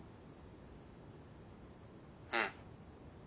うん。